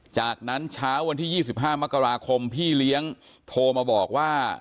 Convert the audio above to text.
จากนั้นเช้าวันที่๒๕มกราคมพี่เลี้ยงโทรมาบอกว่า